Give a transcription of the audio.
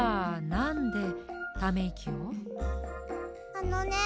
あのね